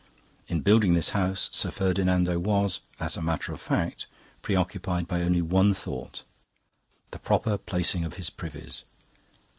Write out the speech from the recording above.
In building this house, Sir Ferdinando was, as a matter of fact, preoccupied by only one thought the proper placing of his privies.